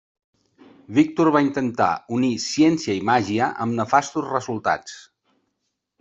Víctor va intentar unir ciència i màgia amb nefastos resultats.